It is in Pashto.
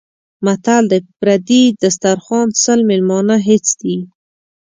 متل دی: په پردي دیسترخوا سل مېلمانه هېڅ دي.